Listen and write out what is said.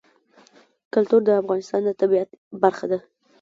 کلتور د افغانستان د طبیعت برخه ده.